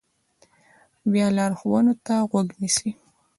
بیا لارښوونو ته غوږ نیسي.